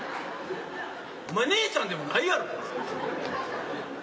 お前ねえちゃんでもないやろ。